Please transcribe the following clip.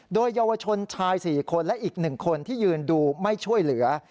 โดยเยาวชนชาย๔คนและอีก๑คนที่ยืนดูไม่ช่วยเหลือ